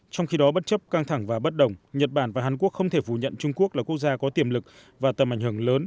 trong khi đó bất chấp căng thẳng và bất đồng nhật bản và hàn quốc không thể phủ nhận trung quốc là quốc gia có tiềm lực và tầm ảnh hưởng lớn